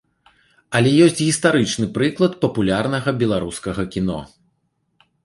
Але ёсць гістарычны прыклад папулярнага беларускага кіно.